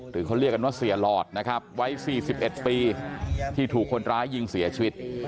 คือเขาเรียกกันว่าเสี่ยหลอดนะครับไว้สี่สิบเอ็ดปีที่ถูกคนร้ายยิงเสียชีวิต